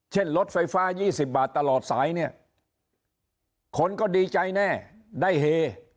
รถไฟฟ้า๒๐บาทตลอดสายเนี่ยคนก็ดีใจแน่ได้เฮ